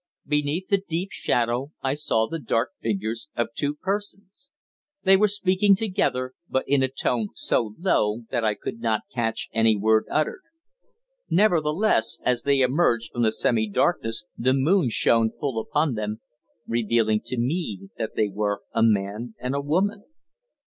Beneath the deep shadow I saw the dark figures of two persons. They were speaking together, but in a tone so low that I could not catch any word uttered. Nevertheless, as they emerged from the semi darkness the moon shone full upon them, revealing to me that they were a man and a woman.